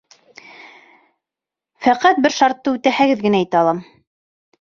Фәҡәт бер шартты үтәһәгеҙ генә әйтә алам.